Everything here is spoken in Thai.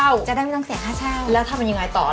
แล้วทำยังไงต่อเราจะประชาสำคัญยังไง